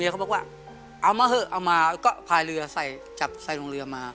เอามาเถอะเอามาก็พายเรือใส่จับใส่ตรงเรือมา